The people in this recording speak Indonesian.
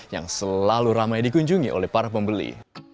yang selalu ramai dikunjungi oleh para pembeli